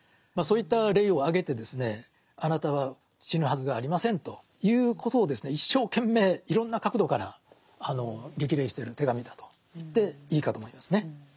そういった例を挙げてですねあなたは死ぬはずがありませんということをですね一生懸命いろんな角度から激励してる手紙だと言っていいかと思いますね。